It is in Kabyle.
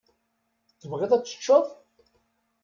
Tebɣiḍ ad teččeḍ?